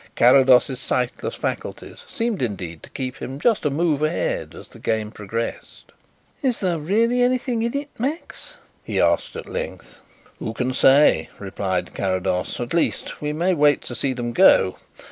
Carrados's sightless faculties seemed indeed to keep him just a move ahead as the game progressed. "Is there really anything in it, Max?" he asked at length. "Who can say?" replied Carrados. "At least we may wait to see them go.